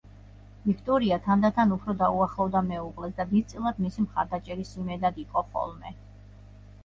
ვიქტორია თანდათან უფრო დაუახლოვდა მეუღლეს და დიდწილად მისი მხარდაჭერის იმედად იყო ხოლმე.